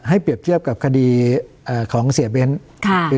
เปรียบเทียบกับคดีของเสียเบ้น